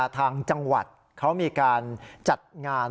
ทางจังหวัดเขามีการจัดงาน